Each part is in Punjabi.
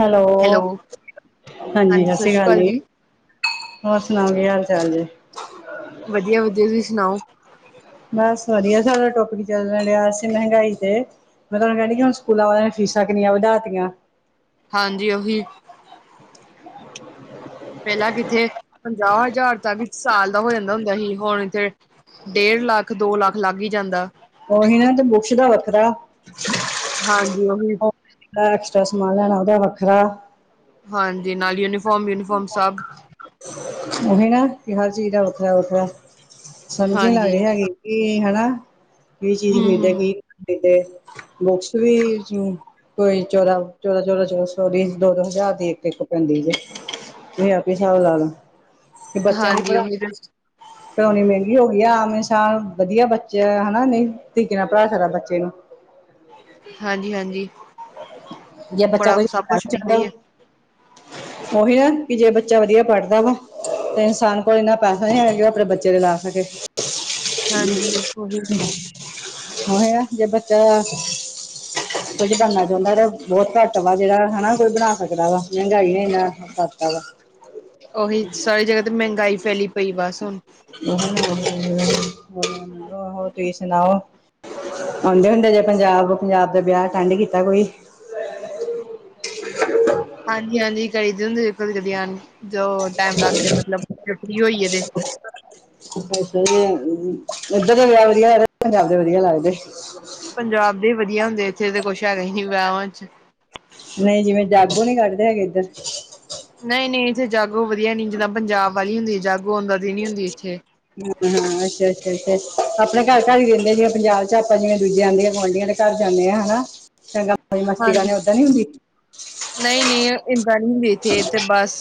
ਹੈਲੋ ਹਾਂਜੀ ਸਤਿ ਸ਼੍ਰੀ ਅਕਾਲ ਜੀ। ਹੋਰ ਸੁਨਾਓ ਕੀ ਹਾਲ ਚਾਲ ਜੇ? ਵਧੀਆ ਵਧੀਆ ਤੁਸੀ ਸੁਨਾਓ? ਬਸ ਵਧੀਆ ਸਾਡਾ ਟੋਪੀਕ ਚੱਲਡ ਡਿਆ ਸੀ ਮੇਹੰਗਗਾਈ ਤੇ। ਮਤਲਬ ਡੈਡੀ ਕੇ ਸਕੂਲਾਂ ਵਾਲਆਂ ਨੇ ਫੀਸਾਂ ਕਿੰਨੀਆਂ ਵਧਾਤੀਆਂ। ਹਾਂਜੀ ਓਹੀ। [inaudible] ਪੇਲਾਂ ਕਿੱਥੇ ਪੰਜਾਹ ਹਜਾਰ ਤਕ ਵਿੱਚ ਸਾਲ ਦਾ ਹੋ ਜਾਂਦਾ ਹੁੰਦਾ ਸੀ ਹੁਨ ਇੱਥੇ। ਡੇਢ ਲੱਖ ਦੋ ਲੱਖ ਲੱਗ ਈ ਜਾਂਦਾ। ਓਹੀ ਨਾ ਤੇ ਬੂਕਸ਼ ਦਾ ਵੱਖਰਾ। ਹਾਂਜੀ ਓਹੀ। ਐਕਸਟਰਾ ਸਮਾਨ ਲੈਣਾ ਓਦਾ ਵੱਖਰਾ। ਹਾਂਜੀ ਨਾਲ ਯੂਨੀਫੋਰਮ ਯੂਨੀਫੋਰਮ ਸਭ। ਓਹੀ ਨਾ ਕਿ ਹਰ ਚੀਜ ਦਾ ਵੱਖਰਾ ਵੱਖਰਾ ਸਮਝੇ ਹਾਂਜੀ ਲਾਏ ਆਯੇ ਕੀ ਹਣਾ ਕੀ ਚੀਜ ਖਰੀਦੇ ਹੂੰ-ਹੂੰ ਕੀ ਖਰੀਦੇ ਬੁਕਸ ਵੀ ਜੀ ਕੋਈ ਚੋਦਾ ਚੋਦਾ ਚੋਦਾ ਚੋ ਸੋ ਦੀ ਦੋ ਦੋ ਹਜਾਰ ਦੀ ਇੱਕ ਇੱਕ ਪੈਂਦੀ ਜੇ। ਤੁਸੀ ਆਪੀ ਸਾਬ ਲਾ ਲਾ ਕੇ ਬੱਚਿਆਂ ਦੀ ਹਾਂਜੀ ਪੜਾਈ ਉਹੀ ਤੇ ਪੜੋਨੀ ਮਹੇੰਗੀ ਹੋ ਗਈ ਆ ਆਗਲੇ ਸਾਲ ਵਧੀਆ ਬੱਚੇ ਹਨਾ ਨਯੀ ਤੀਕੇ ਨਾਲ ਪੜਾ ਸਕਦਾ ਬੱਚੇ ਨੂੰ। ਹਾਂਜੀ ਹਾਂਜੀ। ਯਾ ਬੱਚਾ ਕੋਈ ਮਹਿੰਗਾ ਹੀ ਹੈ [unintelligible] ਓਹੀ ਨਾ ਕਿ ਜੇ ਬੱਚਾ ਵਧੀਆ ਪੜਦਾ ਵਾ। ਤੇ ਇਨਸਾਨ ਕੋਲ ਇੰਨਾ ਪੈਹਾ ਨੀ ਹੈਗਾ ਜੋ ਅਪਨੇ ਬੱਚੇ ਤੇ ਲਾ ਸਕੇ। [inaudible] ਹਾਂਜੀ। ਉਹੀ ਓਹੀ ਨਾ ਜੇ ਬੱਚਾ ਕੁਝ ਬਣਨਾ ਬੰਦਾ ਬੋਤ ਘੱਟ ਵਾ ਜੇੜਾ ਹਨਾ ਕੋਈ ਬਣਾ ਸਕਦਾ ਵਾ ਮੇਹੈਂਗਾਈ ਨੇ ਐਨਾ ਓ ਕਰਤਾ ਵਾ। [inaudible] ਓਹੀ ਸਾਰੀ ਜੱਗਾ ਤੇ ਮੈਂਹਨਗਗਾਈ ਫੈਲੀ ਪਈ ਬਸ ਹੁਨ। [unintelligible] ਆਹੋ ਤੁਸੀਂ ਸੁਣਾਓ ਆਉਂਦੇ ਹੁੰਦੇ ਜੇ ਪੰਜਾਬ, ਪੰਜਾਬ ਦਾ ਵਿਆਹ ਅਟੈਂਡ ਕੀਤਾ ਕੋਈ। ਹਾਂਜੀ ਹਾਂਜੀ ਕਰੀ ਦੇ ਹੁੰਦੇ ਜ ਕਦੀ- ਕਦੀ ਆਂ ਜੋ ਟਾਈਮ ਲੱਗ ਜ ਮਤਲਬ ਜ ਫਰੀ ਹੋਈਏ ਤੇ ਇਧਰ ਉ ਇੱਧਰ ਦੇ ਵਿਆਹ ਵਧੀਆ ਲੱਗਦੇ ਜਾਂ ਪੰਜਾਬ ਦੇ ਵਧੀਆ ਲੱਗਦੇ। ਪੰਜਾਬ ਦੇ ਵਧੀਆ ਹੁੰਦੇ, ਇੱਥੇ ਤੇ ਕੁੱਛ ਹੈਗਾ ਹੀ ਨੀ ਵਿਆਹਵਾਂ ਚ ਨਈ ਜਿਵੇਂ ਜਾਗੋ ਨੀ ਕੱਢਦੇ ਹੈਗੇ ਇੱਧਰ ਨਈ, ਨਈ ਇਥੇ ਜਾਗੋ ਵਧੀਆ ਨੀ, ਜਿਦਾਂ ਪੰਜਾਬ ਵਾਲੀ ਹੁੰਦੀ ਜਾਗੋ ਓਦਾਂ ਦੀ ਨੀ ਹੁੰਦੀ ਇੱਥੇ ਹਾਂ ਹਾਂ ਅੱਛਾ ਅੱਛਾ ਅੱਛਾ ਆਪਣੇ ਘਰ- ਘਰ ਹੀ ਰਹਿੰਦੇ ਜ ਜਿਵੇਂ ਪੰਜਾਬ ਚ ਆਪਾਂ ਜਿਵੇਂ ਦੂਜੇ ਆਂਡੀਆਂ- ਗੁਆਂਢੀਆਂ ਦੇ ਚਲੇ ਜਾਂਦੇ ਆ ਹਨਾ, ਚੰਗਾ ਓਦਾਂ ਮਸਤੀ ਹਾਂਜੀ ਕਰਦੇ ਆ ਓਦਾਂ ਨੀ ਹੁੰਦੀ ਨਹੀਂ ਨਹੀਂ ਏਦਾਂ ਨਹੀਂ ਹੁੰਦੀ ਏਥੇ, ਏਥੇ ਬਸ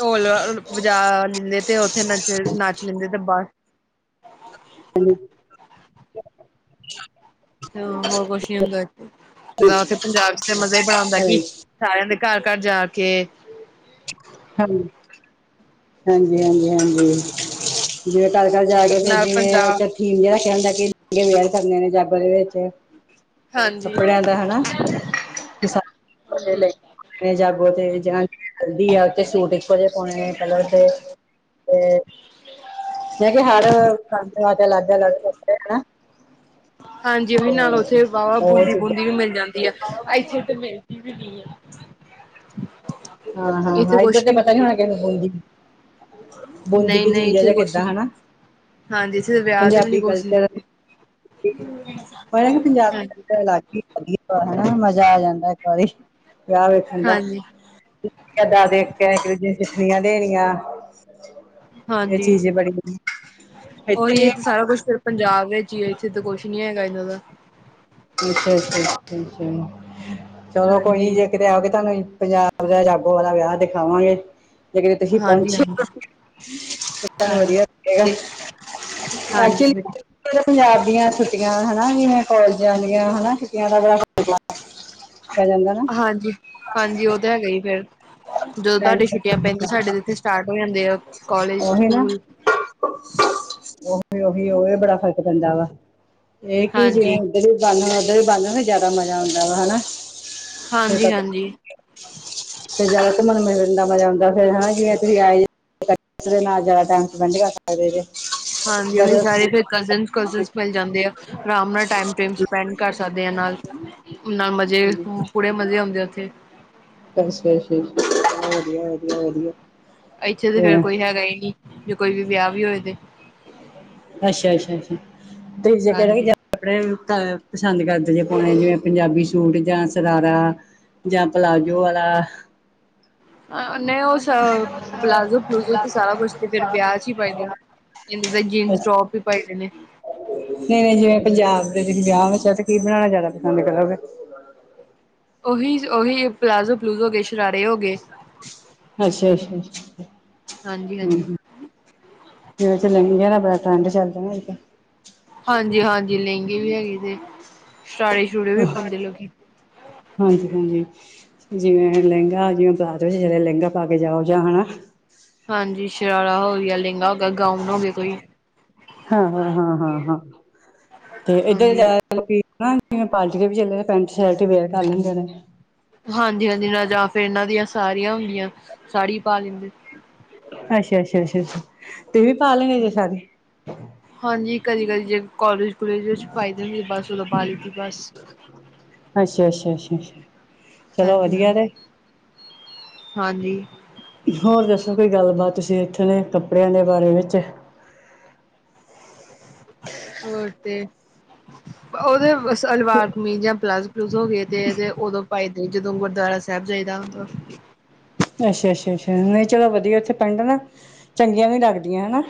ਢੋਲ ਅ ਲ ਵਜਾ ਲੈਂਦੇ ਤੇ ਉਥੇ ਨਚ, ਨੱਚ ਲੈਂਦੇ ਤੇ ਬਸ ਹ [inaudible] ਤੇ ਹਾਂ ਹੋਰ ਕੁੱਛ ਨੀ ਹੁੰਦਾ, ਜਿੱਦਾਂ ਉੱਥੇ ਪੰਜਾਬ ਚ ਤੇ ਮਜ਼ਾ ਈ ਬੜਾ ਆਉਂਦਾ ਕੀ ਘਰੇ ਸਾਰਿਆਂ ਦੇ ਘਰ- ਘਰ ਜਾ ਕੇ ਹੈੱਲੋ, ਹਾਂਜੀ ਹਾਂਜੀ, ਹਾਜੀ ਜਿਵੇਂ ਘਰ- ਘਰ ਜਾ ਕੇ ਫਿਰ ਨਾਲ ਜਿਵੇਂ ਪੰਜਾਬ ਇੱਕ ਥੀਮ ਜਿਹਾ ਰੱਖਿਆ ਹਿੰਦਾ ਕੇ ਵੀਅਰ ਕਰਨੇ ਨੇ ਜਾਗੋ ਦੇ ਵਿੱਚ ਹਾਂਜੀ ਕੱਪੜਿਆਂ ਦਾ ਹਨਾ [unintelligible] ਜਾਗੋ ਤੇ ਜਾ ਕੇ ਕਹਿੰਦੀ ਆ ਕੇ ਸੂਟ ਇੱਕੋ ਜੇ ਪਾਉਣੇ ਨੇ ਕਲਰ ਦੇ ਤੇ ਮੈਂ ਕਿਹਾ ਹਰ ਹਾਂਜੀ। [unintelligible] ਅਲੱਗ ਅਲੱਗ ਹਨਾ ਹਾਂਜੀ ਉਹ ਵੀ ਤੇ ਨਾਲ ਉੱਥੇ ਵਾਹਵਾ ਉਹ ਬੋਲੀ- ਬੁਲੀ ਚੀਜ਼ਾਂ ਵੀ ਮਿਲ ਜਾਂਦੀ ਆ, ਇੱਥੇ ਤੇ ਮਿਲਦੀ ਵੀ ਨਹੀਂ ਆ ਹਾਂ ਹਾਂ ਇੱਥੇ ਹਾਂ ਇੱਧਰ ਕੁਛ ਤੇ ਪਤਾ ਨੀ ਬੋਲੀ ਹੋਣਾ ਕਿਹਨੂੰ ਬੂੰਦੀ ਨੂੰ ਬੂੰਦੀ ਨਹੀਂ ਕਿ ਨਹੀਂ ਚੀਜ਼ ਐ ਇੱਥੇ ਜਾਂ ਕੁਛ ਕਿੱਦਾਂ ਨੀ ਹਨਾ ਹਾਂਜੀ ਏਥੇ ਤਾਂ ਵਿਆਹ ਤੇ ਵੀ ਨੀ ਪੰਜਾਬੀ ਕੁਝ ਕਲਚਰ ਦਿਦੇ ਹਾਂਜੀ ਪੰਜਾਬ ਅਲਗ ਹੀ ਵਧੀਆ ਹਨਾ ਮਜ਼ਾ ਆ ਜਾਂਦਾ ਇੱਕ ਵਾਰੀ [unintelligible] ਵਿਆਹ ਵੇਖਣ ਦਾ ਹਾਂਜੀ ਦਾ ਇੱਕ ਦੂਜੇ ਨੂ ਸਿੱਠਣੀਆਂ ਦੇਣੀਆ। ਇਹ ਹਾਂਜੀ ਚੀਜ਼ ਦੀ ਬੜੀ ਵਧੀਆ, ਇੱਥੇ ਉਹੀ ਨੀ ਇਹ ਤੇ ਹੈਗਾ ਸਾਰਾ ਕੰਮ ਕੁਛ ਫਿਰ ਪੰਜਾਬ ਵਿੱਚ ਈ ਐ, ਇੱਥੇ ਤਾਂ ਕੁਛ ਨੀ ਹੈਗਾ ਇੱਦਾਂ ਦਾ ਅੱਛਾ, ਅੱਛਾ, ਅੱਛਾ, ਅੱਛਾ ਚਲੋ ਕੋਈ ਨੀ ਹਾਂਜੀ ਜੇ ਕਿਤੇ ਆਓਗੇ ਤੁਹਾਨੂੰ ਅਸੀਂ ਪੰਜਾਬ ਦਾ ਜਾਗੋ ਵਾਲਾ ਵਿਆਹ ਦਿਖਾਵਾਂਗੇ। ਜੇ ਕਿਤੇ ਤੁਸੀਂ ਹਾਂਜੀ ਪਹੁੰਚੇ, ਹਾਂਜੀ ਸਾਨੂੰ ਹਾਂ ਵਧੀਆ ਲਗੇਗਾ। ਤੇ ਹਾਂਜੀ ਐਕਚੁਲੀ ਫਿਰ ਪੰਜਾਬ ਦੀਆਂ ਛੁੱਟੀਆਂ ਹਨਾ ਜਿਵੇਂ ਕੌਲ ਜਾਂਦੀਆਂ ਹਨਾ ਛੁੱਟੀਆਂ ਦਾ ਬੜਾ ਪੈ ਜਾਂਦਾ ਨਾ ਹਾਂਜੀ, ਹਾਂਜੀ ਉਹ ਤਾਂ ਹੈਗਾ ਈ ਏ ਫਿਰ ਜਦੋਂ ਤੋਡੇ ਟਾਈਮ ਛੁੱਟੀਆਂ ਪੈਂਦੀਆਂ ਸਾਡੇ ਤੇ ਇੱਥੇ ਸਟਾਰਟ ਹੋ ਜਾਂਦੇ ਆ ਕਾਲਜ, ਨਾ ਸਕੂਲ ਉਹੀ ਉਹੀ, ਉਹੀ ਬੜਾ ਫ਼ਰਕ ਪੈਂਦਾ ਵਾ ਇਹ ਕੀ ਜਿਵੇਂ ਹਾਂਜੀ ਇਦੋ ਵੀ ਬੰਦ ਹੋਣ, ਓਦੋਂ ਵੀ ਬੰਦ ਹੋਣ ਜ਼ਿਆਦਾ ਮਜ਼ਾ ਆਉਂਦਾ ਵਾ ਹਨਾ ਫਿਰ ਹਾਂਜੀ ਪਤਾ ਹਾਂਜੀ ਫਿਰ ਜ਼ਿਆਦਾ ਘੂੰਮਣ ਮਿਲਣ ਦਾ ਮਜ਼ਾ ਆਉਦਾ ਫਿਰ ਹਨਾ ਜਿਵੇਂ ਤੁਸੀਂ ਆਏ ਜੇ ਨਾਲ ਜ਼ਿਆਦਾ ਟਾਈਮ ਸਪੈਂਡ ਕਰ ਸਕਦੇ ਜੇ। ਹਾਂਜੀ ਇਦਾਂ ਦੇ ਉਹੀ ਉਸ ਸਾਰੇ ਫਿਰ ਕਜ਼ਨਸ਼- ਕੁਜਨਸ਼ ਮਿਲ ਜਾਂਦੇ ਆ। ਆਰਾਮ ਨਾਲ ਟਾਈਮ- ਟੁਇਮੇ ਸਪੈਂਡ ਕਰ ਸਕਦੇ ਆ ਨਾਲ, ਨਾਲ ਮਜ਼ੇ ਹਾਂਜੀ ਪੂਰੇ ਮਜ਼ੇ ਔਂਦੇ ਉੱਥੇ ਅੱਛਾ ਅੱਛਾ ਅੱਛਾ ਚਲੋ ਵਧੀਆ, ਵਧੀਆ, ਵਧੀਆ। ਇੱਥੇ ਤਾਂ ਫੇਰ ਤੇ ਕੋਈ ਹੈਗਾ ਹੀ ਨਹੀਂ ਜੇ ਕੋਈ ਵੀ ਵਿਆਹ- ਵਿਊਹ ਵੀ ਹੋਏ ਤੇ ਅੱਛਾ- ਅੱਛਾ- ਅੱਛਾ ਤੇ ਜੇ ਤੇਰਾ ਵੀ ਹਾਂਜੀ ਜਾ ਕੱਪੜੇ ਤਾਡੇ ਪਸੰਦ ਕਰਦੇ ਨੇ ਪਾਉਣੇ ਜਿਵੇਂ ਪੰਜਾਬੀ ਸੂਟ ਜਾਂ ਸਰਾਰਾ ਜਾਂ ਪਲਾਜੋ ਆਲਾ ਆਂ ਨਹੀਂ, ਉਹ ਸ ਪਲਾਜ਼ੋ ਪਲੂਜੋ ਤੇ ਸਾਰਾ ਕੁਛ ਤੇ ਫੇਰ ਵਿਆਹ 'ਚ ਹੀ ਪਾਈਦਾ ਇਹੰਦੇ ਜੀਨਸ ਟੋਪ ਹੀ ਪਾਈ ਦੇ ਨੇ ਨਹੀਂ- ਨਹੀਂ ਜਿਵੇਂ ਪੰਜਾਬ ਦੇ ਤੁਸੀਂ ਵਿਆਹ ਵਿੱਚ ਕੀ ਬਣਾਉਣਾ ਜ਼ਿਆਦਾ ਪਸੰਦ ਕਰੋਗੇ? ਉਹੀ, ਉਹੀ ਪਲਾਜ਼ੋ ਪਲੂਜੋ ਦੇ ਸ਼ਰਾਰੇ ਹੋ ਗਏ ਅੱਛਾ- ਅੱਛਾ- ਅੱਛਾ, ਹਾਂਜੀ ਹਮ- ਹਾਂਜੀ ਹਮ ਜਿਵੇਂ ਚਲਣ ਦਿਆ, ਇਹਦਾ ਬੜਾ ਟਰੈਂਡ ਚੱਲਦਾ ਹਾਂਜੀ- ਹਾਂਜੀ ਲਹਿੰਗੇ ਵੀ ਹੈਗੇ ਨੇ, ਸ਼ਰਾਰੇ ਸ਼ਰੂਰੇ ਵੀ ਪਾਉਂਦੇ ਲੋਕੀ ਹਾਂਜੀ- ਹਾਂਜੀ ਜਿਵੇਂ ਲਹਿੰਗਾ ਜਿਵੇਂ ਬਰਾਤ ਵਿੱਚ ਲਹਿੰਗਾ ਪਾ ਕੇ ਜਾਓ ਜਾਂ ਹਨਾ ਹਾਂਜੀ ਸ਼ਰਾਰਾ ਹੋ ਗਿਆ, ਲਹਿੰਗਾ ਹੋ ਗਿਆ, ਗਾਊਨ ਹੋ ਗਏ ਕੋਈ ਹਾਂ- ਹਾਂ -ਹਾਂ- ਹਾਂ, ਤੇ ਇੱਧਰ ਜਾ ਹਾਂਜੀ, ਮਤਲਬ ਕੀ, ਜਿਵੇਂ ਪਾਰਟੀ ਦੇ ਵੀ ਚਲੇ ਪੈਂਟ ਸ਼ਰਟ ਹੀ ਵੇਅਰ ਕਰ ਲੈਂਦੇ ਨੇ ਹਾਂਜੀ -ਹਾਂਜੀ ਜਾਂ ਫਿਰ ਇਹਨਾਂ ਦੀਆਂ ਸਾਰੀਆਂ ਹੁੰਦੀਆਂ, ਸਾੜੀ ਪਾ ਲੈਂਦੇ ਅੱਛਾ- ਅੱਛਾ- ਅੱਛਾ- ਅੱਛਾ, ਤੁਸੀ ਵੀ ਪਾ ਲੈਂਗੇ ਸਾਰੇ ਹਾਂਜੀ ਕਦੀ-ਕਦੀ ਜੇ ਕੋਲਜ ਕੁਲੇਜ ਵਿੱਚ ਫਾਈਦੇ ਹੁੰਦੀ, ਬਸ ਓਦੋਂ ਪਾ ਲਈਦੀ ਅੱਛਾ- ਅੱਛਾ- ਅੱਛਾ- ਅੱਛਾ, ਚਲੋ ਹਾਂਜੀ-ਹਾਂਜੀ, ਵਧੀਆ ਹਾਂਜੀ ਰੇ ਹਾਂਜੀ। ਹੋਰ ਦੱਸੋ ਕੋਈ ਗੱਲਬਾਤ ਤੁਸੀਂ ਇੱਥੋ ਦੇ ਕੱਪੜਿਆਂ ਦੇ ਬਾਰੇ ਵਿੱਚ ਹੋਰ ਤੇ, ਉਹਦੇ ਸਲਵਾਰ, ਕਮੀਜ਼ਾ, ਪਾਲਾਜੋ ਲੂਜ ਹੋ ਗਏ ਤੇ, ਤੇ ਉਦੋਂ ਪਾਈਦੇ ਜਦੋਂ ਗੁਰਦੁਆਰਾ ਸਾਹਿਬ ਜਾਈਦਾ ਹੁੰਦਾ ਅੱਛਾ -ਅੱਛਾ- ਅੱਛਾ, ਨਹੀ ਚਲੋ ਵਧੀਆ ਇੱਥੇ ਪਿੰਡ ਹੈ ਨਾ ਚੰਗੀਆਂ ਵੀ ਲੱਗਦੀਆਂ ਹਨਾ,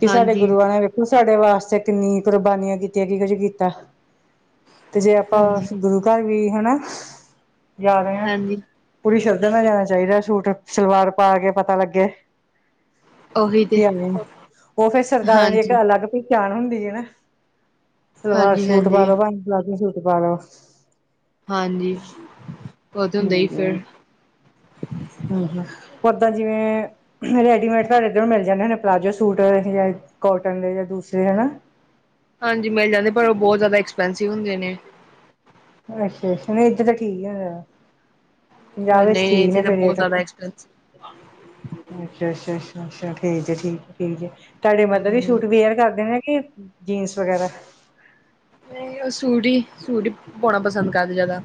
ਕਿ ਸਾਡੇ ਹਾਂਜੀ, ਗੁਰੂਆਂ ਨੇ ਹੁਣ ਸਾਡੇ ਵਾਸਤੇ ਕਿੰਨੀ ਕੁਰਬਾਨੀਆਂ ਕੀਤੀਆਂ, ਕੀ ਕੁੱਝ ਕੀਤਾ ਤੇ ਜੇ ਆਪਾਂ ਹਾਂਜੀ, ਗੁਰੂ ਘਰ ਵੀ ਹਨਾ, ਜਾ ਰਹੇ। ਹਾਂਜੀ ਪੂਰੀ ਸ਼ਰਧਾ ਨਾਲ ਜਾਣਾ ਚਾਹੀਦਾ ਸੂਟ, ਸਲਵਾਰ ਪਾ ਕੇ ਪਤਾ ਲੱਗੇ ਉਹੀ ਤੇ ਕੀ ਹੈਨੀ, ਉਹ ਫਿਰ ਸਰਦਾਰਾਂ ਦੀ ਇੱਕ ਹਾਂਜੀ। ਅਲੱਗ ਪਹਿਚਾਣ ਹੁੰਦੀ ਹੈ ਨਾ, ਸਲਵਾਰ ਸੂਟ ਹਾਂਜੀ-ਹਾਂਜੀ, ਪਾਲੋ ਭਾਵੇਂ ਪਲਾਜ਼ੋ ਸੂਟ ਪਾਲੋ ਹਾਂਜੀ। ਉਹ ਤੇ ਹੁੰਦਾ ਹੀ ਫਿਰ। ਹਾਂਜੀ-ਹਾਂਜੀ [unintelligible] ਓਦਾ ਜਿਵੇਂ ਰੈਡੀਮੇਡ ਤਾਡੇ ਇੱਧਰੋਂ ਮਿਲ ਜਾਂਦੇ ਹੋਣੇ, ਪਲਾਜੋ ਸੂਟ ਜਾਂ ਕੋਟਨ ਦੇ ਜਾਂ ਦੂਸਰੇ ਹਨਾ ਹਾਂਜੀ ਮਿਲ ਜਾਂਦੇ, ਪਰ ਉਹ ਬਹੁਤ ਜ਼ਿਆਦਾ ਐਕਸਪੈਂਸਿਵ ਹੁੰਦੇ ਨੇ। ਅੱਛਾ- ਅੱਛਾ ਨਹੀਂ ਇੱਧਰ ਤਾਂ ਠੀਕ ਹੈਗਾ, ਪੰਜਾਬ ਵਿੱਚ ਨਹੀਂ-ਨਹੀਂ ਠੀਕ ਇੱਥੇ ਨੇ ਤਾਂ ਫੇਰ ਬਹੁਤ ਰੇਟ ਅੱਛਾ- ਜ਼ਿਆਦਾ ਐਕਸਪੈਂਸਿਵ ਅੱਛਾ- ਅੱਛਾ -ਅੱਛਾ ਠੀਕ ਹੈ ਠੀਕ ਹੈ ਠੀਕ ਏ ਤਾਡੇ ਮਦਰ ਹੀ ਹਾਂਜੀ। ਸੂਟ ਵੇਅਰ ਕਰਦੇ ਨੇ ਕਿ ਜੀਨਸ ਵਗੈਰਾ ਨਹੀਂ ਉਹ ਸੂਡੀ, ਸੂਟ ਹੀ ਪਾਉਣਾ ਪਸੰਦ ਕਰਦੇ ਜ਼ਿਆਦਾ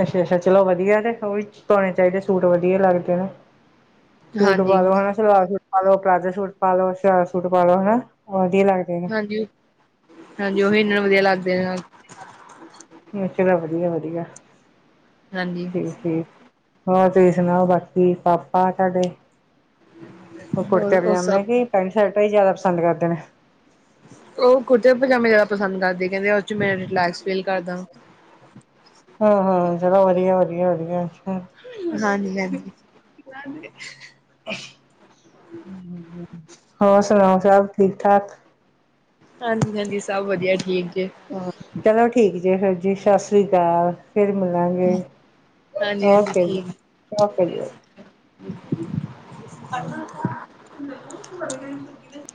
ਅੱਛਾ- ਅੱਛਾ ਚਲੋ ਵਧੀਆ ਤੇ, ਉਹ ਵੀ ਪਾਉਣੇ ਚਾਹੀਦੇ ਸੂਟ ਵਧੀਆ ਲੱਗਦੇ ਨੇ। ਸੂਟ ਹਾਂਜੀ। ਪਾਲੋ ਹਨਾ, ਸਲਵਾਰ ਸੂਟ ਪਾਲੋ, ਪਲਾਜ਼ਾ ਸੂਟ ਪਾਲੋ, ਸਰਾਰਾ ਸੂਟ ਪਾਲੋ ਹਨਾ, ਵਧੀਆ ਲੱਗ ਹਾਂਜੀ, ਹਾਂਜੀ ਉਹੀ ਇਨਾਂ ਨੂੰ ਵਧੀਆ ਲੱਗਦੇ ਆ ਨਹੀ ਚਲੋ ਵਧੀਆ- ਵਧੀਆ, ਹਾਂਜੀ। ਠੀਕ- ਠੀਕ। ਹੋਰ ਤੁਸੀਂ ਸੁਣਾਓ ਬਾਕੀ, ਪਾਪਾ ਤਾਡੇ ਉਹ ਕੁੜਤੇ ਹੋਰ ਪਜਾਮੇ ਸਭ ਹੀ, ਪੈਂਟ ਸ਼ਰਟਾਂ ਹੀ ਜ਼ਿਆਦਾ ਪਸੰਦ ਕਰਦੇ ਨੇ ਓ ਕੁੜਤੇ ਪਜਾਮੇ ਜਜਾਦਾ ਪਸੰਦ ਕਰਦੇ ਕੈਂਦੇ ਓਦੇ 'ਚ ਮੈਂ ਰਿਲੈਕਸ ਫੀਲ ਕਰਦਾ। ਹਾਂ ਹਾਂ, ਚਲੋ ਵਦੀਆ, ਵਦੀਆ, ਵਦੀਆ। ਹਾਂਜੀ-ਹਾਂਜੀ। [unintelligible] ਹੋਰ ਸੁਣਾਓ, ਸਭ ਠੀਕ ਠਾਕ? ਹਾਂਜੀ-ਹਾਂਜੀ ਸਭ ਵਦੀਆ ਠੀਕ ਜੇ। ਆਂ, ਚਲੋ ਠੀਕ ਜੇ ਫੇਰ ਜੀ ਸਸ ਸ੍ਰੀ ਕਾਲ। ਫੇਰ ਮਿਲਾਂਗੇ, ਹਾਂਜੀ-ਹਾਂਜੀ ਓਕੇ ਜੀ, ਠੀਕ। ਓਕੇ ਜੀ ਓਕੇ। [inaudible] [unintelligible]